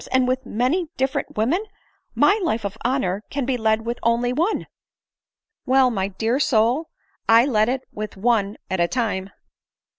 and with many different women ? My life of honor can be led with one only." " Well, my dear soul, 1 only led it with one at a time."